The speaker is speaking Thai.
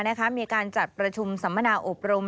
เวลาหน้ากาลจัดประชุมสัมมนาอบรม